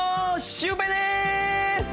シュウペイでーす！